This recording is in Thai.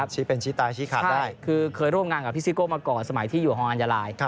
ใช่คือเคยร่วมงานกับพี่ซิโก้มาก่อนสมัยที่อยู่ห่องอาญาลาย